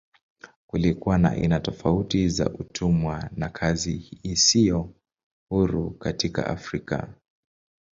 Kulikuwa na aina tofauti za utumwa na kazi isiyo huru katika Afrika.